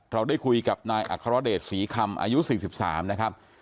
เราได้คุยกับนายอัครเดชศรีคำอายุ๔๓นะครับ